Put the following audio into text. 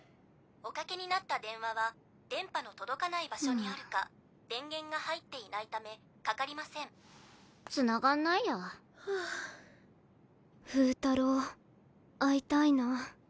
☎おかけになった電話は電波の届かない場所にあるか☎電源が入っていないためかかりませんつながんないやはあフータロー会いたいな